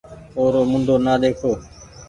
اورو منڍو نآ ۮيکو